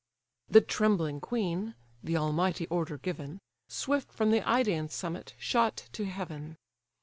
The trembling queen (the almighty order given) Swift from the Idaean summit shot to heaven.